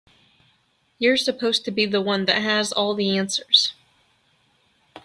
You're supposed to be the one that has all the answers.